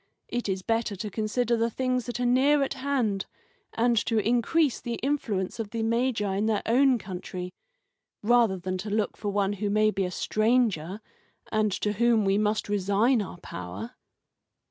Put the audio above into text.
It is better to consider the things that are near at hand, and to increase the influence of the Magi in their own country, rather than to look for one who may be a stranger, and to whom we must resign our power."